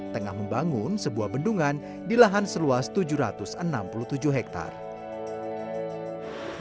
tengah membangun sebuah bendungan di lahan seluas tujuh ratus enam puluh tujuh hektare